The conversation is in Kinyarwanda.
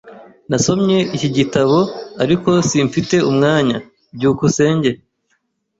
Nasomye iki gitabo, ariko simfite umwanya. byukusenge